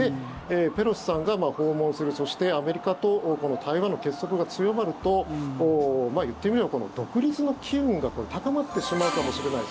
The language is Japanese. ペロシさんが訪問する、そしてアメリカと台湾の結束が強まるといってみれば、独立の機運が高まってしまうかもしれない。